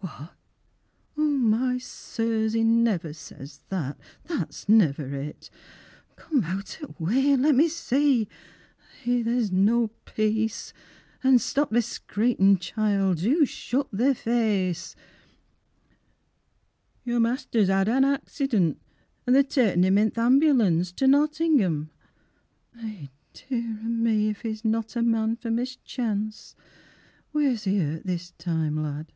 What oh my sirs, 'e never says that, That's niver it. Come out o' the way an' let me see, Eh, there's no peace! An' stop thy scraightin', childt, Do shut thy face. "Your mester's 'ad an accident, An' they're ta'ein 'im i' th' ambulance To Nottingham," Eh dear o' me If 'e's not a man for mischance! Wheers he hurt this time, lad?